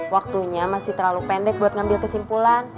waktunya masih terlalu pendek buat ngambil kesimpulan